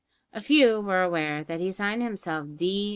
A few were aware that he signed himself "D.